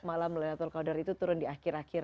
malam laylatul qadar itu turun di akhir akhir